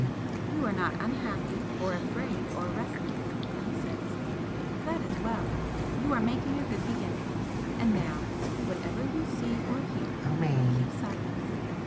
"You are not unhappy, or afraid, or restless," he said, slowly "That is well! You are making a good beginning. And now, whatever you see or hear, keep silence!